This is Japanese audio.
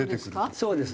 そうです。